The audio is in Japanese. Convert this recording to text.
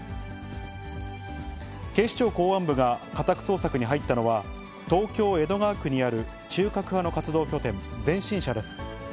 警視庁公安部が家宅捜索に入ったのは、東京・江戸川区にある中核派の活動拠点、前進社です。